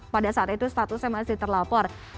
pada saat itu statusnya masih terlapor